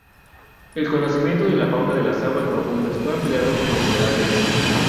El conocimiento de la fauna de las aguas profundas fue ampliado considerablemente.